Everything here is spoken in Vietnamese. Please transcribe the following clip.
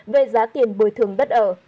về giá tiền bồi thường đất ở